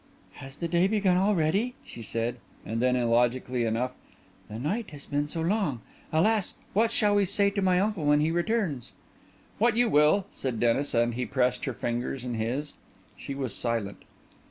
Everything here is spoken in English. "Has the day begun already?" she said; and then, illogically enough: "the night has been so long! Alas, what shall we say to my uncle when he returns?" "What you will," said Denis, and he pressed her fingers in his. She was silent.